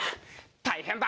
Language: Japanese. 大変だ。